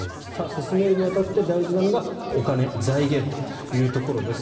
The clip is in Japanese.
進めるに当たって大事なのがお金、財源です。